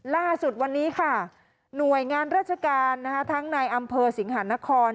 ล่าสุดวันนี้ค่ะหน่วยงานราชการทั้งในอำเภอสิงหานคร